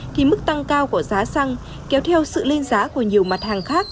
thì mức tăng cao của giá xăng kéo theo sự lên giá của nhiều mặt hàng khác